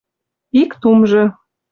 Ик тумжы